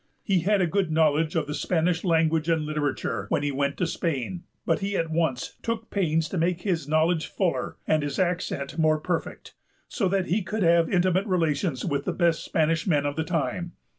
He had a good knowledge of the Spanish language and literature when he went to Spain; but he at once took pains to make his knowledge fuller and his accent more perfect, so that he could have intimate relations with the best Spanish men of the time.